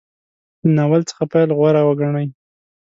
له ناول څخه پیل غوره وګڼي.